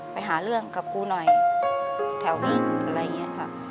ไปหาเรื่องกับกูหน่อยแถวนี้อะไรอย่างนี้ค่ะ